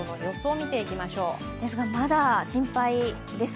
ですが、まだ心配です。